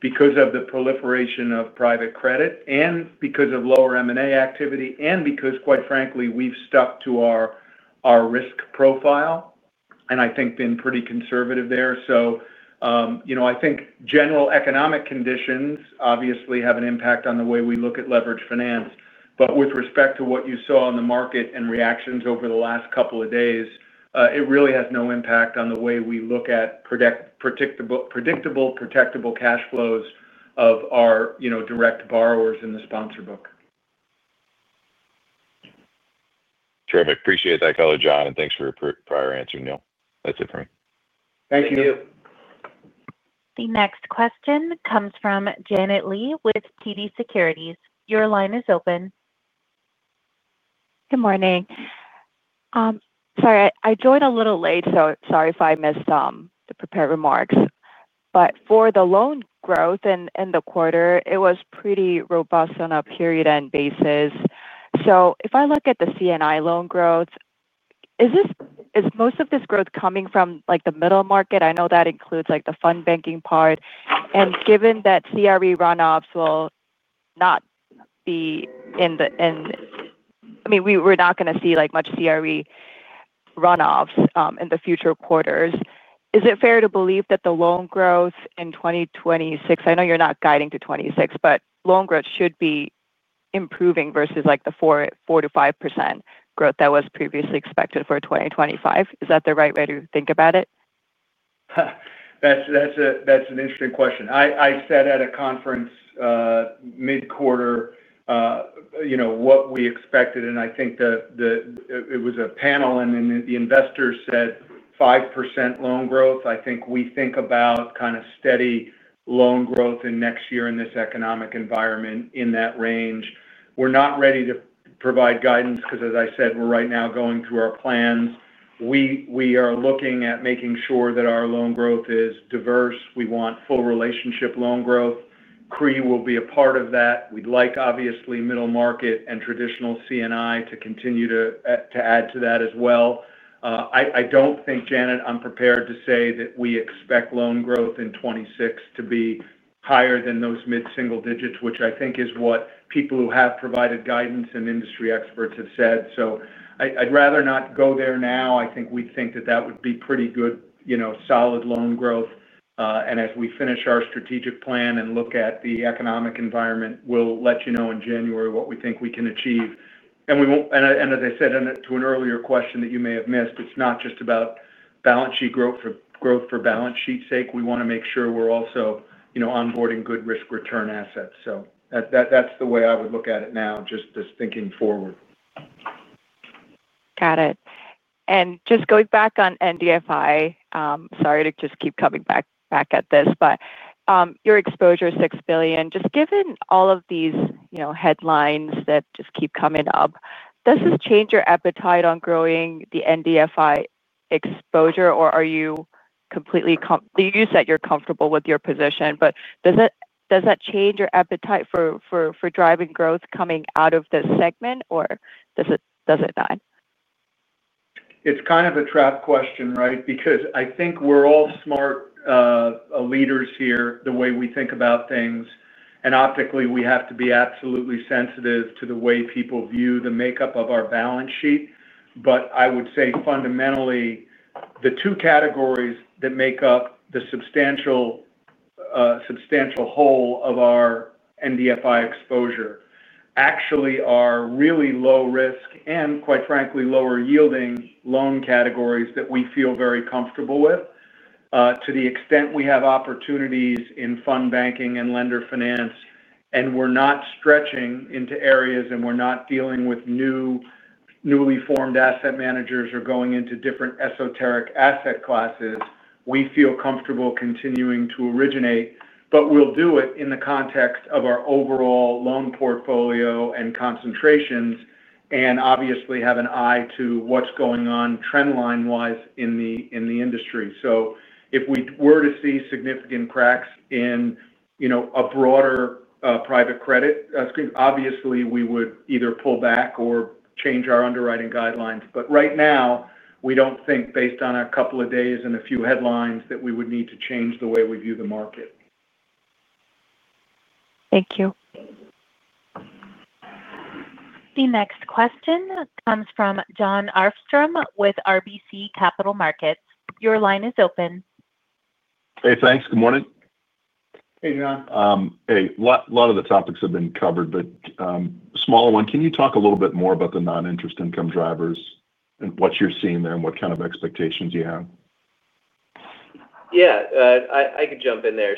C: because of the proliferation of private credit and because of lower M&A activity and because, quite frankly, we've stuck to our risk profile and I think been pretty conservative there. I think general economic conditions obviously have an impact on the way we look at leverage finance. With respect to what you saw in the market and reactions over the last couple of days, it really has no impact on the way we look at predictable, protectable cash flows of our direct borrowers in the sponsor book.
N: Terrific. Appreciate that color, John. Thanks for your prior answer, Neal. That's it for me.
C: Thank you.
D: Thank you.
A: The next question comes from Janet Lee with TD Securities. Your line is open.
O: Good morning. Sorry, I joined a little late, so sorry if I missed the prepared remarks. For the loan growth in the quarter, it was pretty robust on a period-end basis. If I look at the CNI loan growth, is most of this growth coming from the middle market? I know that includes the fund banking part. Given that CRE runoffs will not be in the, I mean, we're not going to see much CRE runoffs in the future quarters. Is it fair to believe that the loan growth in 2026, I know you're not guiding to 2026, but loan growth should be improving versus the 4%-5% growth that was previously expected for 2025. Is that the right way to think about it?
C: That's an interesting question. I said at a conference mid-quarter, you know, what we expected, and I think it was a panel, and then the investors said 5% loan growth. I think we think about kind of steady loan growth in next year in this economic environment in that range. We're not ready to provide guidance because, as I said, we're right now going through our plans. We are looking at making sure that our loan growth is diverse. We want full relationship loan growth. CRI will be a part of that. We'd like, obviously, middle market and traditional CNI to continue to add to that as well. I don't think, Janet, I'm prepared to say that we expect loan growth in 2026 to be higher than those mid-single digits, which I think is what people who have provided guidance and industry experts have said. I'd rather not go there now. I think we'd think that that would be pretty good, you know, solid loan growth. As we finish our strategic plan and look at the economic environment, we'll let you know in January what we think we can achieve. As I said to an earlier question that you may have missed, it's not just about balance sheet growth for balance sheet's sake. We want to make sure we're also, you know, onboarding good risk return assets. That's the way I would look at it now, just thinking forward.
O: Got it. Just going back on NBFI, sorry to keep coming back at this, but your exposure is $6 billion. Just given all of these headlines that keep coming up, does this change your appetite on growing the NBFI exposure, or are you completely, you said you're comfortable with your position, but does that change your appetite for driving growth coming out of this segment, or does it not?
C: It's kind of a trap question, right? I think we're all smart leaders here the way we think about things. Optically, we have to be absolutely sensitive to the way people view the makeup of our balance sheet. I would say fundamentally, the two categories that make up the substantial whole of our NBFI exposure actually are really low-risk and, quite frankly, lower-yielding loan categories that we feel very comfortable with to the extent we have opportunities in fund banking and lender finance. We're not stretching into areas and we're not dealing with newly formed asset managers or going into different esoteric asset classes. We feel comfortable continuing to originate, but we'll do it in the context of our overall loan portfolio and concentrations and obviously have an eye to what's going on trendline-wise in the industry. If we were to see significant cracks in, you know, a broader private credit screen, obviously, we would either pull back or change our underwriting guidelines. Right now, we don't think, based on a couple of days and a few headlines, that we would need to change the way we view the market.
O: Thank you.
A: The next question comes from John Arfstrom with RBC Capital Markets. Your line is open.
P: Hey, thanks. Good morning.
C: Hey, John.
P: A lot of the topics have been covered, but a smaller one, can you talk a little bit more about the non-interest income drivers and what you're seeing there and what kind of expectations you have?
E: I could jump in there.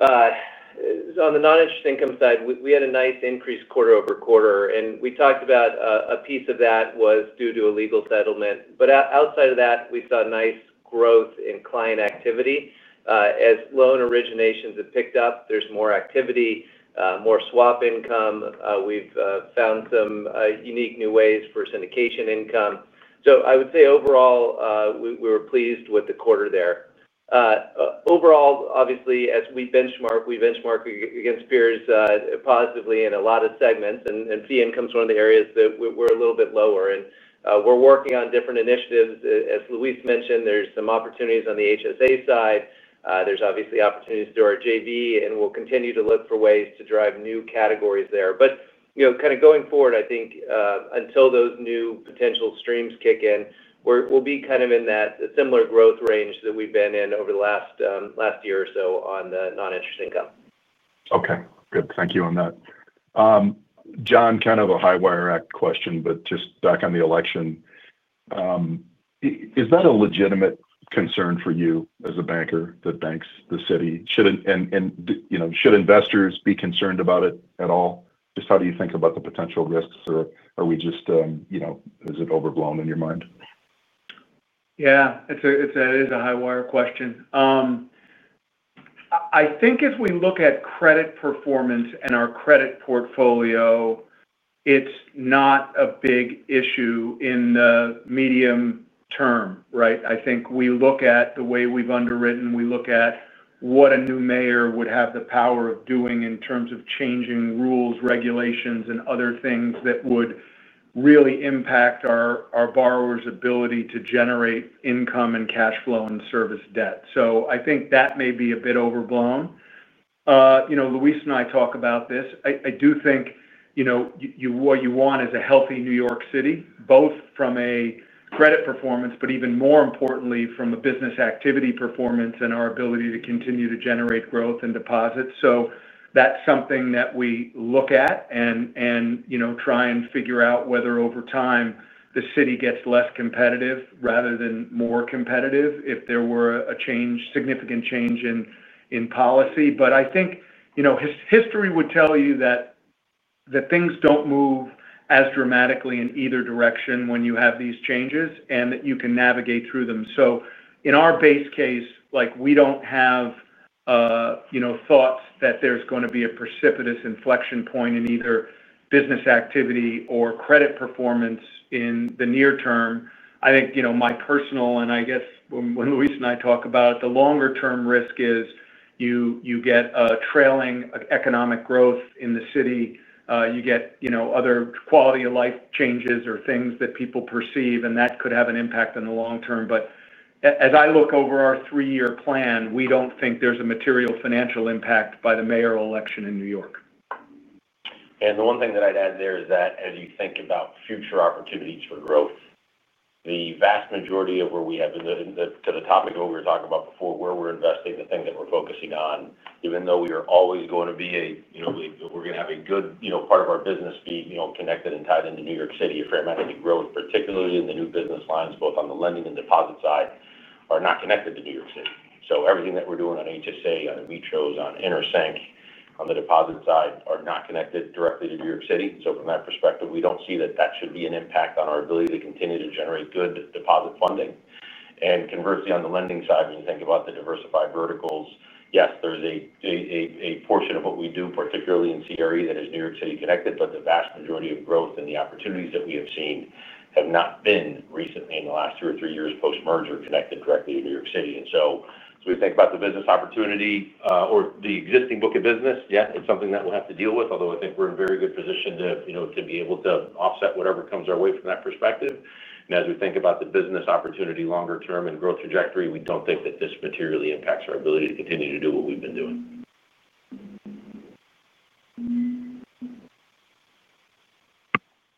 E: On the non-interest income side, we had a nice increase quarter-over-quarter. We talked about a piece of that being due to a legal settlement. Outside of that, we saw nice growth in client activity. As loan originations have picked up, there's more activity, more swap income. We've found some unique new ways for syndication income. I would say overall, we were pleased with the quarter there. Obviously, as we benchmark, we benchmark against peers positively in a lot of segments. Fee income is one of the areas that we're a little bit lower, and we're working on different initiatives. As Luis mentioned, there's some opportunities on the HSA side. There are obviously opportunities through our JV, and we'll continue to look for ways to drive new categories there. Going forward, I think until those new potential streams kick in, we'll be in that similar growth range that we've been in over the last year or so on the non-interest income.
P: Okay, good. Thank you on that. John, kind of a high-wire act question, but just back on the election, is that a legitimate concern for you as a banker that banks the city? Should investors be concerned about it at all? Just how do you think about the potential risks, or are we just, you know, is it overblown in your mind?
C: Yeah, it is a high-wire question. I think if we look at credit performance and our credit portfolio, it's not a big issue in the medium term, right? I think we look at the way we've underwritten. We look at what a new mayor would have the power of doing in terms of changing rules, regulations, and other things that would really impact our borrowers' ability to generate income and cash flow and service debt. I think that may be a bit overblown. Luis and I talk about this. I do think what you want is a healthy New York City, both from a credit performance, but even more importantly, from a business activity performance and our ability to continue to generate growth and deposits. That's something that we look at and try and figure out whether over time the city gets less competitive rather than more competitive if there were a significant change in policy. I think history would tell you that things don't move as dramatically in either direction when you have these changes and that you can navigate through them. In our base case, we don't have thoughts that there's going to be a precipitous inflection point in either business activity or credit performance in the near term. My personal, and I guess when Luis and I talk about it, the longer-term risk is you get a trailing economic growth in the city. You get other quality of life changes or things that people perceive, and that could have an impact in the long term. As I look over our three-year plan, we don't think there's a material financial impact by the mayoral election in New York.
D: The one thing that I'd add there is that as you think about future opportunities for growth, the vast majority of where we have in the topic of what we were talking about before, where we're investing, the thing that we're focusing on, even though we are always going to be a, you know, we're going to have a good, you know, part of our business be, you know, connected and tied into New York City, a fair amount of the growth, particularly in the new business lines, both on the lending and deposit side, are not connected to New York City. Everything that we're doing on HSA Bank, on Amitros, on InterSync, on the deposit side are not connected directly to New York City. From that perspective, we don't see that that should be an impact on our ability to continue to generate good deposit funding. Conversely, on the lending side, when you think about the diversified verticals, yes, there's a portion of what we do, particularly in CRE, that is New York City connected, but the vast majority of growth and the opportunities that we have seen have not been recently in the last two or three years post-merger connected directly to New York City. As we think about the business opportunity or the existing book of business, yeah, it's something that we'll have to deal with, although I think we're in very good position to be able to offset whatever comes our way from that perspective. As we think about the business opportunity longer term and growth trajectory, we don't think that this materially impacts our ability to continue to do what we've been doing.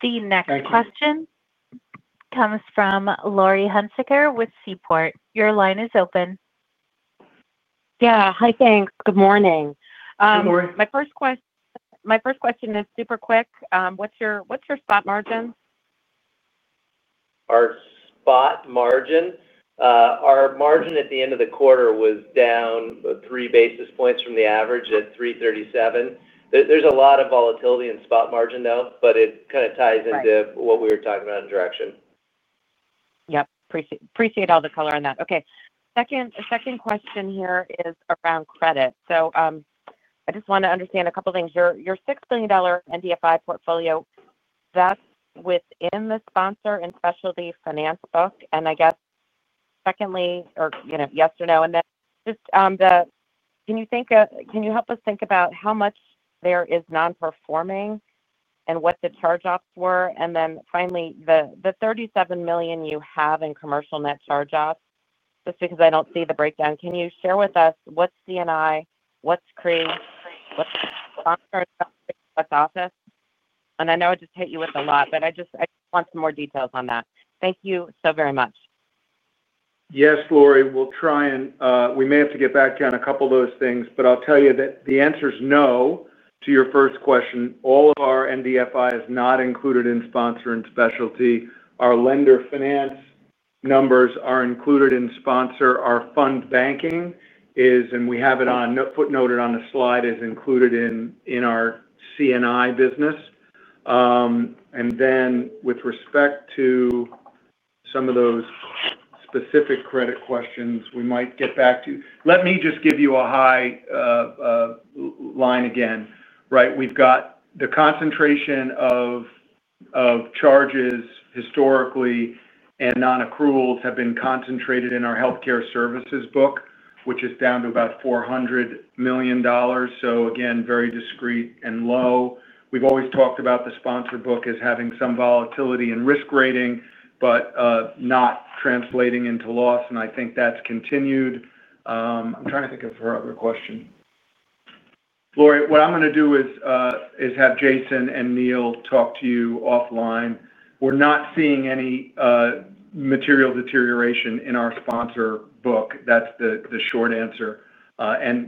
A: The next question comes from Laurie Hunsicker with Seaport. Your line is open.
Q: Yeah, hi, thanks. Good morning.
C: Good morning.
Q: My first question is super quick. What's your spot margin?
E: Our spot margin? Our margin at the end of the quarter was down 3 basis points from the average at 337. There's a lot of volatility in spot margin, though, but it kind of ties into what we were talking about in direction.
Q: Yep. Appreciate all the color on that. Okay. Second question here is around credit. I just want to understand a couple of things. Your $6 billion NBFI portfolio, that's within the sponsor and specialty finance book. I guess, yes or no. Can you help us think about how much there is non-performing and what the charge-offs were? Finally, the $37 million you have in commercial net charge-offs, just because I don't see the breakdown. Can you share with us what's CNI, what's CRI, what's sponsors, what's office? I know I just hit you with a lot, but I just want some more details on that. Thank you so very much.
C: Yes, Laurie. We'll try and we may have to get back on a couple of those things, but I'll tell you that the answer is no to your first question. All of our NBFI is not included in sponsor and specialty. Our lender finance numbers are included in sponsor. Our fund banking is, and we have it footnoted on the slide, included in our CNI business. With respect to some of those specific credit questions, we might get back to you. Let me just give you a high line again, right? We've got the concentration of charge-offs historically and non-accruals have been concentrated in our Healthcare Financial Services book, which is down to about $400 million. Again, very discrete and low. We've always talked about the sponsor book as having some volatility in risk rating, but not translating into loss. I think that's continued. I'm trying to think of her other question. Laurie, what I'm going to do is have Jason and Neal talk to you offline. We're not seeing any material deterioration in our sponsor book. That's the short answer.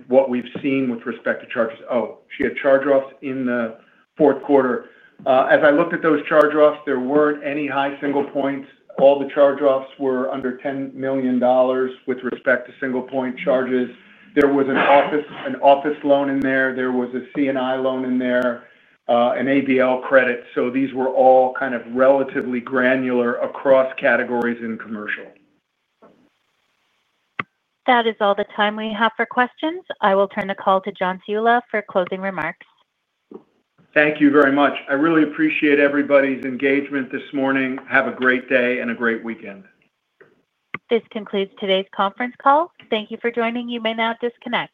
C: What we've seen with respect to charge-offs—oh, she had charge-offs in the fourth quarter. As I looked at those charge-offs, there weren't any high single points. All the charge-offs were under $10 million with respect to single-point charges. There was an office loan in there. There was a CNI loan in there, an ABL credit. These were all kind of relatively granular across categories in commercial.
A: That is all the time we have for questions. I will turn the call to John Ciulla for closing remarks.
C: Thank you very much. I really appreciate everybody's engagement this morning. Have a great day and a great weekend.
A: This concludes today's conference call. Thank you for joining. You may now disconnect.